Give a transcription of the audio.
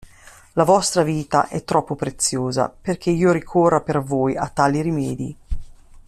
La vostra vita è troppo preziosa, perché io ricorra per voi a tali rimedi.